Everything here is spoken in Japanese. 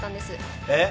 えっ！？